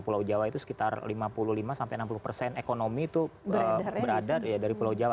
pulau jawa itu sekitar lima puluh lima sampai enam puluh persen ekonomi itu berada dari pulau jawa